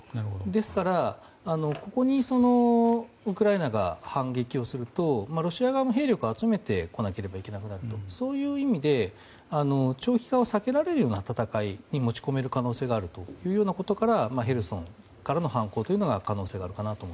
ですから、ここにウクライナが反撃をするとロシア側も兵力を集めてこなければならなくなるのでそういう意味で長期化を避けられるような戦いに持ち込める可能性があるということからヘルソンからの反攻という可能性があるのかなと。